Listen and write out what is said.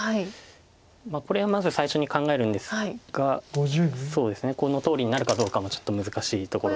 これはまず最初に考えるんですがこのとおりになるかどうかもちょっと難しいところです。